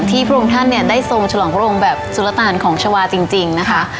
พระองค์ท่านเนี่ยได้ทรงฉลองพระองค์แบบสุรตานของชาวาจริงนะคะ